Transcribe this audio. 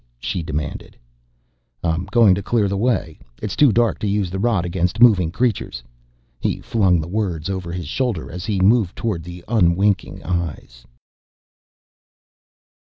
she demanded. "I'm going to clear the way. It's too dark to use the rod against moving creatures...." He flung the words over his shoulder as he moved toward the unwinking eyes.